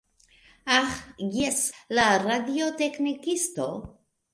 Aĥ, jes, la radioteknikisto.